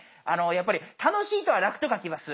やっぱり楽しいとは「楽」と書きます。